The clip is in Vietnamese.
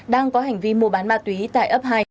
đang có hành vi mua bán ma túy tại ấp hai